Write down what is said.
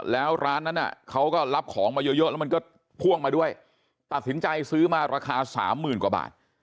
แล้วร้านนั้นเขาก็รับของมาเยอะแล้วมันก็พ่วงมาด้วยตัดสินใจซื้อมาราคาสามหมื่นกว่าบาท